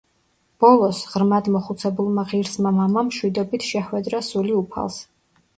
ბოლოს ღრმად მოხუცებულმა ღირსმა მამამ მშვიდობით შეჰვედრა სული უფალს.